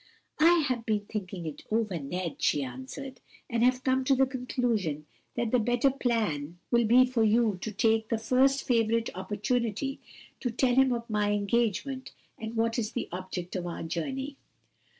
"I have been thinking it over, Ned," she answered, "and have come to the conclusion that the better plan will be for you to take the first favorable opportunity to tell him of my engagement and what is the object of our journey."